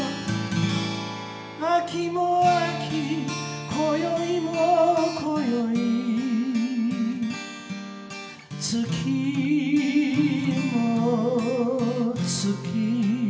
「秋も秋今宵も今宵月も月」